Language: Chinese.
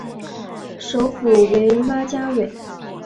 首府为拉加韦。